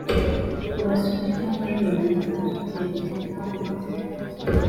kubasura cyangwa nintaza nzumve ibyanyu ko mumez neza